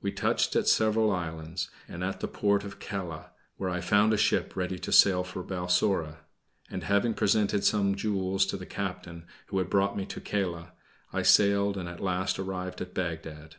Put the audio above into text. We touched at several islands, and at the port of Kela, where I found a ship ready to sail for Balsora; and having presented some jewels to the captain who had brought me to Kela, I sailed, and at last arrived at Bagdad.